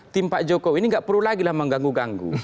tim pak jokowi ini tidak perlu lagi mengganggu ganggu